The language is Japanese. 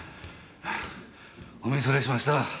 お見それしました。